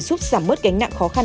giúp giảm mất gánh nặng khó khăn